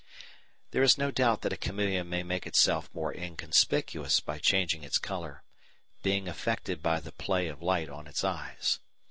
There is no doubt that a chameleon may make itself more inconspicuous by changing its colour, being affected by the play of light on its eyes.